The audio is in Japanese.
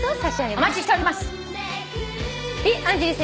お待ちしております。